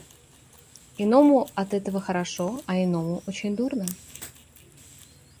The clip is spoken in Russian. Иному от этого хорошо, а иному очень дурно.